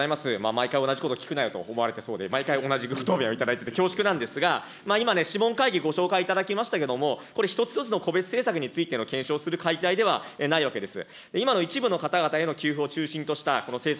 毎回同じことを聞くなよと思われそうで、毎回同じご答弁をいただいて、恐縮なんですが、今、諮問会議、ご紹介いただきましたけども、これ、一つ一つの個別政策についてを検証するではないわけです。